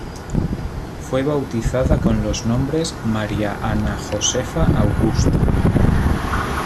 Fue bautizada con los nombres "María Ana Josefa Augusta".